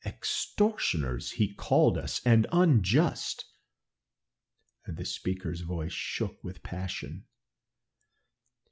Extortioners also he called us and unjust." And the speaker's voice shook with passion.